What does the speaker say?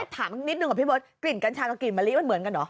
ถามนิดนึงกับพี่เบิร์ดกลิ่นกัญชากับกลิ่นมะลิมันเหมือนกันเหรอ